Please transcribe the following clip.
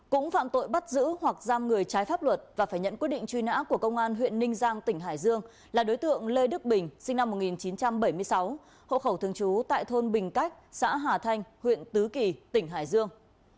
cũng phạm tội bắt giữ hoặc giam người trái pháp luật và phải nhận quyết định truy nã của công an huyện ninh giang tỉnh hải dương là đối tượng lê đức bình sinh năm một nghìn chín trăm bảy mươi sáu hộ khẩu thường trú tại thôn bình cách xã hà thanh huyện tứ kỳ tỉnh hải dương